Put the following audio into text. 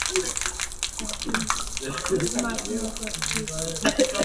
Ni gharama nafuu ambayo kila mtu anaweza akamudu